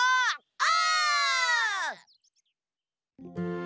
お！